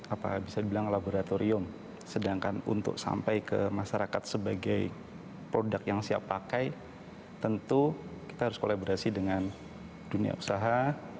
apa bisa dibilang laboratorium sedangkan untuk sampai ke masyarakat sebagai produk yang siap pakai tentu kita harus kolaborasi dengan dunia usaha